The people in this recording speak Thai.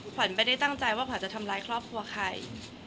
ขวัญไม่ได้ตั้งใจว่าขวัญจะทำร้ายครอบครัวใคร